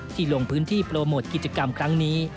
ลงพื้นที่โปรโมทกิจกรรมครั้งนี้